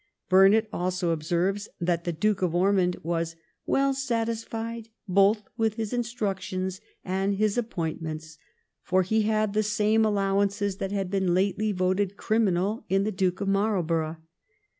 Burnet also observes that the Duke of Ormond was ' well satisfied both with his instructions and his appointments ; for he had the same allowances that had been lately voted criminal in the Duke of Marlborough.'